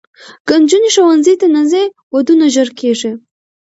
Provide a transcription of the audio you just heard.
که نجونې ښوونځي ته نه ځي، ودونه ژر کېږي.